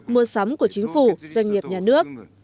mua sắm của chính phủ doanh nghiệp nhà nước